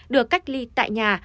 được cách ly tại nhà bảy ngày